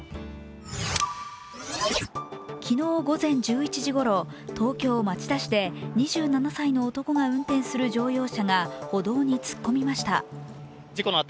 昨日、午前１１時ごろ、東京・町田市で２７歳の男が運転する乗用車が歩道に突っ込みました。